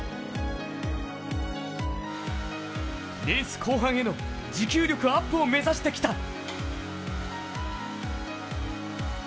レース後半への持久力アップを目指してきた。